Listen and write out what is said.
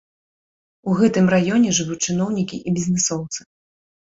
У гэтым раёне жывуць чыноўнікі і бізнэсоўцы.